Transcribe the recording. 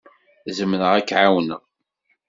Zemreɣ ad k-ɛawneɣ.